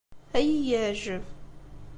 Ad iyi-yeɛjeb.